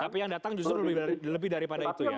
tapi yang datang justru lebih daripada itu ya